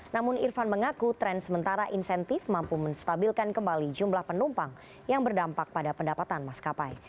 namun irfan mengaku tren sementara insentif mampu menstabilkan kembali jumlah penumpang yang berdampak pada pendapatan maskapai